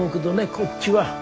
こっちは。